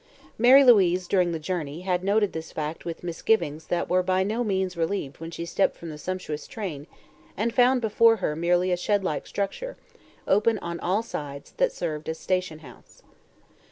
Mary Louise, during the journey, had noted this fact with misgivings that were by no means relieved when she stepped from the sumptuous train and found before her merely a shed like structure, open on all sides, that served as station house.